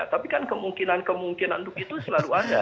tapi kan kemungkinan kemungkinan untuk itu selalu ada